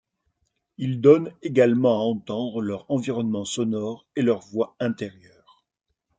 Il donne également à entendre leur environnement sonore et leur voix intérieure.